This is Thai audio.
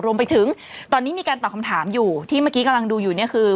รวมไปถึงตอนนี้มีการตอบคำถามอยู่ที่เมื่อกี้กำลังดูอยู่เนี่ยคือ